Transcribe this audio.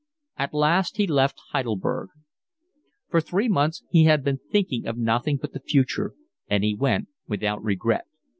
At last he left Heidelberg. For three months he had been thinking of nothing but the future; and he went without regret.